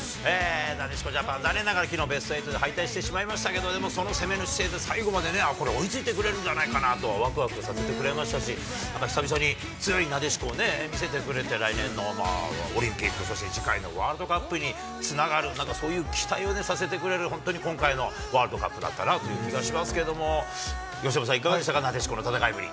なでしこジャパン、残念ながらきのう、ベスト８で敗退してしまいましたけど、でもその攻めの姿勢で最後までね、あっ、これ追いついてくれるんじゃないなとわくわくさせてくれましたし、なんかひさびさに強いなでしこを見せてくれて、来年のオリンピック、そして次回のワールドカップにつながる、なんかそういう期待をさせてくれる、本当に今回のワールドカップだったなという気がしますけど、由伸さん、いかがでしたか、なでしこの戦いぶり。